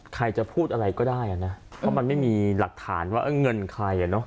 ใครจะพูดอะไรก็ได้อ่ะนะเพราะมันไม่มีหลักฐานว่าเงินใครอ่ะเนอะ